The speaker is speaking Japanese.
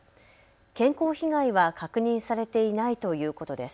健康被害は確認されていないということです。